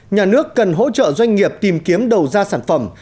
nhà nước cần hỗ trợ doanh nghiệp tìm kiếm đầu ra sản phẩm